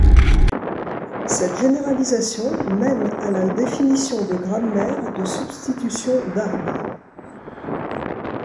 Cette généralisation mène à la définition de grammaires de substitution d'arbres.